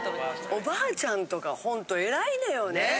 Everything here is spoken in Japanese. おばあちゃんとかほんと偉いのよね。